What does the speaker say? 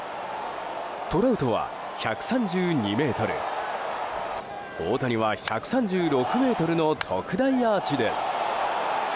トラウトは１３２ｍ大谷は１３６ｍの特大アーチです。